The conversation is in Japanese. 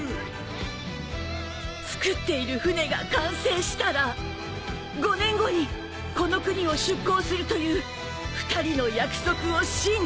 造っている船が完成したら５年後にこの国を出港するという２人の約束を信じて。